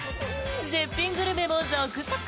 絶品グルメも続々！